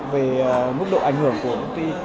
về mức độ ảnh hưởng của công ty